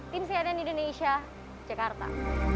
tim siadan indonesia jakarta